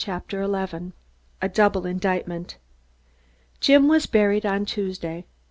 CHAPTER ELEVEN A DOUBLE INDICTMENT Jim was buried on Tuesday.